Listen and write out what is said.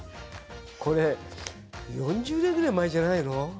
これは４０年ぐらい前じゃないの？